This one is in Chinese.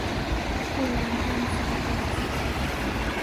个人专辑合辑